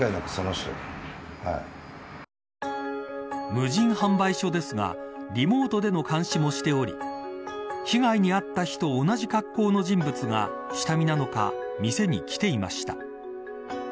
無人販売所ですがリモートでの監視もしており被害に遭った日と同じ格好の人物が下見なのか店に来ていました。